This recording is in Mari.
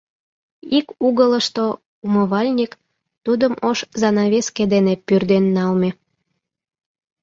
Ик угылышто умывальник, тудым ош занавеске дене пӱрден налме.